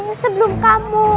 yang sebelum kamu